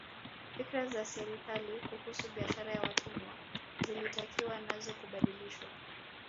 Fikra za serikali kuhusu biashara ya watumwa zilitakiwa nazo kubadilishwa